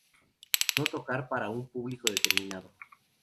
No tocar para un público determinado.